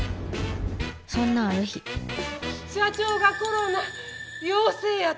そんなある日社長がコロナ陽性やて。